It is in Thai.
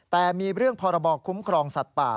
แต่มีเรื่องพรบคุ้มครองสัตว์ป่า